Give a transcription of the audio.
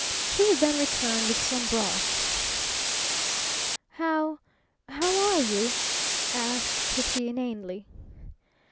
She would then return with some broth. "How how are you?" asked Kitty, inanely.